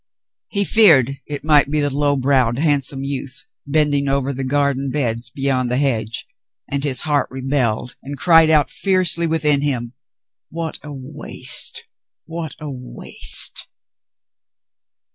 He feared it might be the low browed, handsome youth bending over the garden beds beyond the hedge, and his heart rebelled and cried out fiercely within him, *'What a waste, what a waste!"